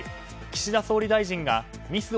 岸田総理大臣がミス